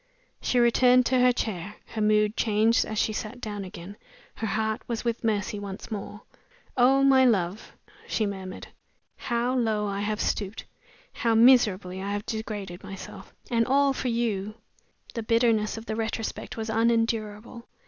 She returned to her chair. Her mood changed as she sat down again her heart was with Mercy once more. "Oh, my love!" she murmured "how low I have stooped, how miserably I have degraded myself and all for You!" The bitterness of the retrospect was unendurable.